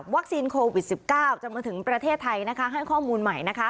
วัคซีนโควิดสิบเก้าจะมาถึงประเทศไทยนะคะให้ข้อมูลใหม่นะคะ